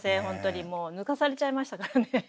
本当にもう抜かされちゃいましたからね。